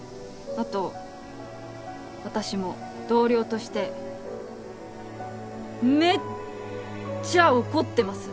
後私も同僚としてめっちゃ怒ってます。